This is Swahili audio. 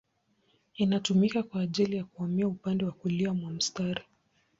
Inatumika kwa ajili ya kuhamia upande wa kulia mwa mstari.